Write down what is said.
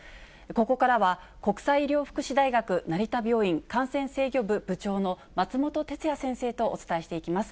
ここからは、国際医療福祉大学成田病院感染制御部部長の松本哲哉先生とお伝えしていきます。